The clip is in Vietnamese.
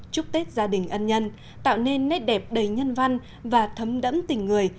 chúc tết gia đình ân nhân tạo nên nét đẹp đầy nhân văn và thấm đẫm tình người